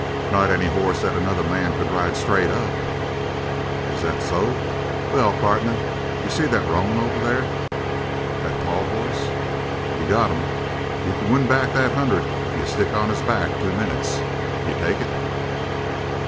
"Not any hoss that another man could ride straight up." "Is that so? Well, partner, you see that roan over there?" "That tall horse?" "You got him. You c'n win back that hundred if you stick on his back two minutes. D'you take it?"